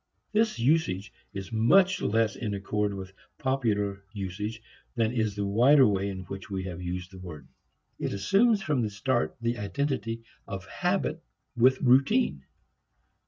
This usage is much less in accord with popular usage than is the wider way in which we have used the word. It assumes from the start the identity of habit with routine.